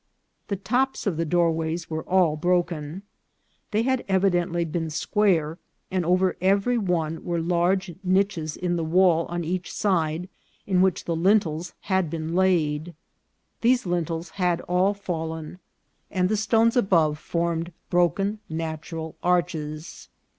The tops of the doorways were all broken. They had evidently been square, and over every one were large niches in the wall on each side, in which the lin tels had been laid. These lintels had all fallen, and the stones above formed broken natural arches.